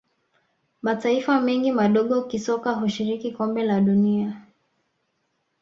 mataifa mengi madogo kisoka hushiriki kombe la dunia